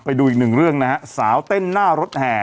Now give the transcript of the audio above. ไปดูอีกหนึ่งเรื่องนะฮะสาวเต้นหน้ารถแห่